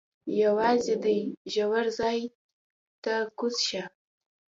یوازې دې ژور ځای ته کوز شه.